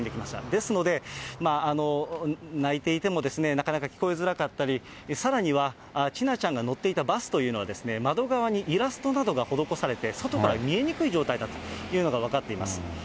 ですので、泣いていてもなかなか聞こえづらかったり、さらには、千奈ちゃんが乗っていたバスというのは、窓側にイラストなどが施されて、外から見えにくい状態だというのが分かっています。